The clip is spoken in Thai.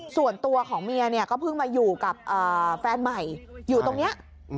ส่วนตัวของเมียเนี่ยก็เพิ่งมาอยู่กับแฟนใหม่อยู่ตรงนี้